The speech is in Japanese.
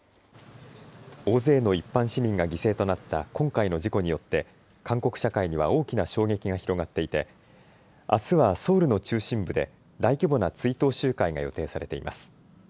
大勢の一般市民が犠牲となった今回の事故によって韓国社会には大きな衝撃が広がっていてあすはソウルの中心部で大規模な追悼集会が予定されています。